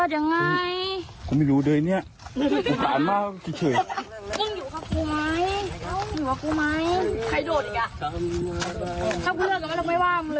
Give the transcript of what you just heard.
คนเยอะมากไม่มีใครช่วยกันเลยอ่ะค่ะ